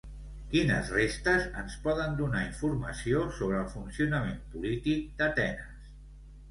Quines restes ens poden donar informació sobre el funcionament polític d'Atenes?